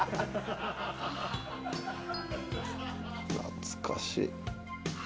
懐かしい。